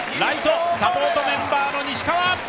サポートメンバーの西川！